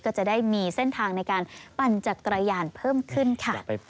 ก็จะได้มีเส้นทางในการปั่นจักรยานเพิ่มขึ้นค่ะ